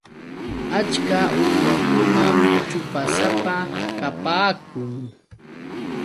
Achka uywakunam ćhupasapa kapaakun.